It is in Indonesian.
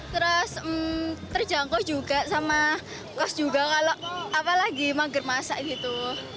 terus terjangkau juga sama kas juga apalagi maghrib masak gitu